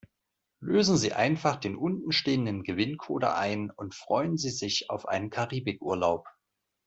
Lösen Sie einfach den unten stehenden Gewinncode ein und freuen Sie sich auf einen Karibikurlaub.